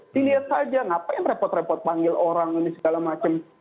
dilihat saja ngapain repot repot panggil orang ini segala macam